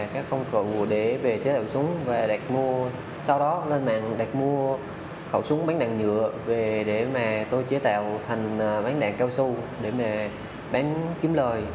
các công cụ để về chế tạo súng và đặt mua sau đó lên mạng đặt mua khẩu súng bán đạn nhựa về để mà tôi chế tạo thành bán đạn cao su để mà bán kiếm lời